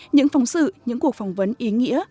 những phòng sự những cuộc phỏng vấn ý nghĩa